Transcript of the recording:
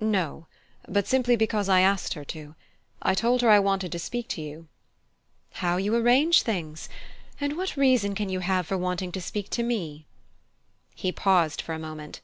"No; but simply because I asked her to. I told her I wanted to speak to you." "How you arrange things! And what reason can you have for wanting to speak to me?" He paused for a moment.